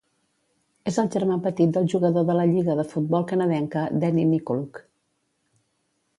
És el germà petit del jugador de la Lliga de Futbol Canadenca Danny Nykoluk.